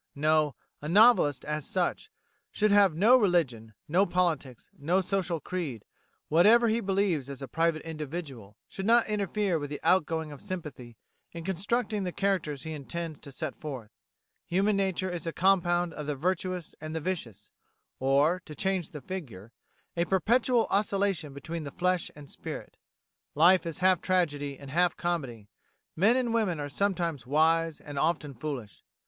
No; a novelist, as such, should have no religion, no politics, no social creed; whatever he believes as a private individual should not interfere with the outgoing of sympathy in constructing the characters he intends to set forth. Human nature is a compound of the virtuous and the vicious, or, to change the figure, a perpetual oscillation between flesh and spirit. Life is half tragedy and half comedy: men and women are sometimes wise and often foolish.